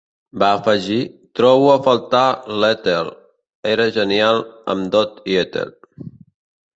Va afegir, "Trobo a faltar l'Ethel, era genial amb Dot i Ethel".